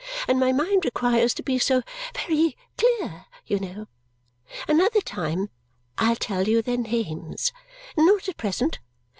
And my mind requires to be so very clear, you know! Another time, I'll tell you their names. Not at present.